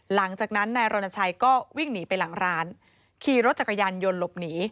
หลังจากนั้นนายรณชัยก็วิ่งหนีไปหลังร้านขี่รถจักรยานยนต์หลบหนี